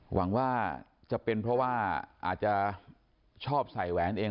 หวังว่าจะเป็นเพราะว่าอาจจะชอบใส่แหวนเอง